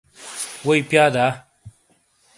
ووئی پِیا دا؟